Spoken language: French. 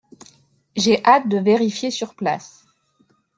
J’ai hâte de vérifier sur place.